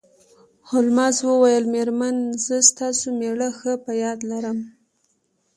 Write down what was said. هولمز وویل میرمن زه ستاسو میړه ښه په یاد لرم